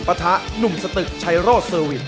ปะทะหนุ่มสตึกชัยโรดเซอร์วิน